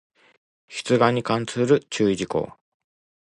出願に関する注意事項